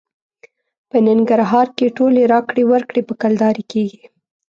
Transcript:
په ننګرهار کې ټولې راکړې ورکړې په کلدارې کېږي.